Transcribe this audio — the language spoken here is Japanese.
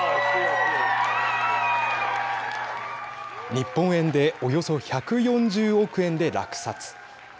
日本円でおよそ１４０億円で落札。